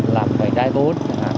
làm cái đai tốt